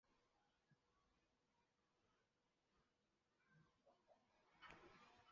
旗下子公司北京万方源房地产开发有限公司为主要获利来源。